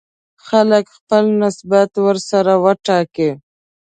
خلک خپل نسبت ورسره وټاکي.